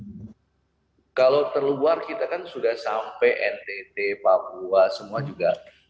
kalau terluar kita kan sudah sampai ntt papua semua juga